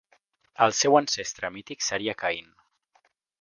El seu ancestre mític seria Caín.